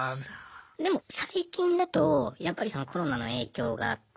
でも最近だとやっぱりそのコロナの影響があって。